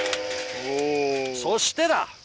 そしてだ。